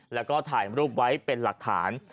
แล้วก็ถ่ายรูปไว้เป็นหลักฐาน